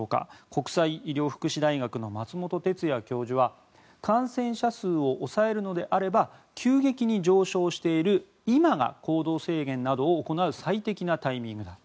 国際医療福祉大学の松本哲哉教授は感染者数を抑えるのであれば急激に上昇している今が行動制限などを行う最適なタイミングだ